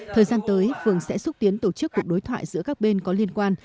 thời gian tới phường sẽ xúc tiến tổ chức cuộc đối thoại giữa các bên có liên quan